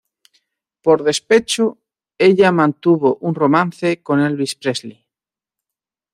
Por despecho, ella mantuvo un romance con Elvis Presley.